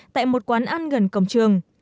tại một quán ăn gần cổng trường